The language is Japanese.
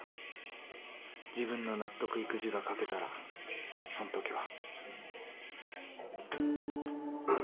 自分の納得いく字が書けたらそんときは。